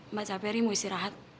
mbak caperi mau istirahat